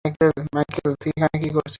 Michael, তুই এখানে কি করছিস?